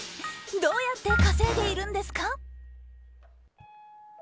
どうやって稼いでいるんですか？